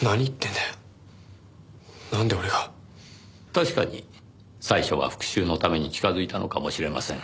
確かに最初は復讐のために近づいたのかもしれません。